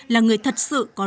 là người thật sự có đức có tài